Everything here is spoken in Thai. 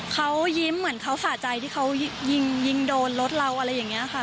เขายิ้มเหมือนเขาสะใจที่เขายิงโดนรถเราอะไรอย่างนี้ค่ะ